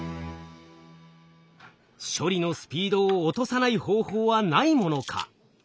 処理のスピードを落とさない方法はないものか？